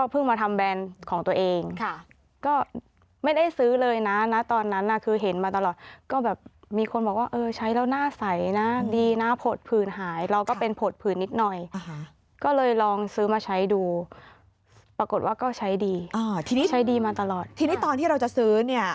ทีนี้ตอนที่เราจะซื้อมีการไปหาข้อมูลในอินเทอร์